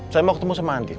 saya mau ketemu sama andi